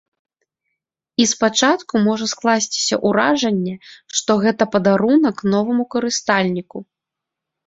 І спачатку можа скласціся ўражанне, што гэта падарунак новаму карыстальніку.